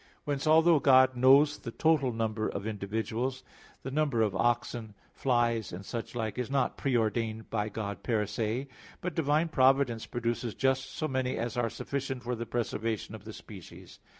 Whence, although God knows the total number of individuals, the number of oxen, flies and such like, is not pre ordained by God per se; but divine providence produces just so many as are sufficient for the preservation of the species.